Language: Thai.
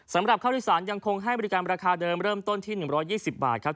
สำหรับข้าวโดยสารยังคงให้บริการราคาเดิมเริ่มต้นที่๑๒๐บาทครับ